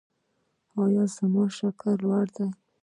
ایا زما شکر لوړ دی؟